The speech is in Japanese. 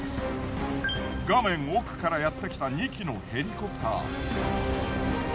画面奥からやってきた２機のヘリコプター。